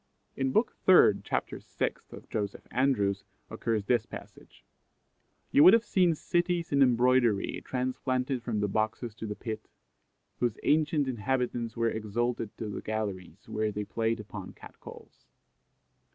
In book iii. chap. vi. of Joseph Andrews, occurs this passage: "You would have seen cities in embroidery transplanted from the boxes to the pit, whose ancient inhabitants were exalted to the galleries, where they played upon cat calls."